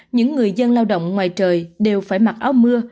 những người dân lao động ngoài trời đều phải mặc áo mưa